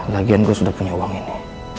lagian gue sudah punya uang ini